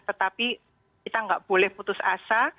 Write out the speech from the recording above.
tetapi kita nggak boleh putus asa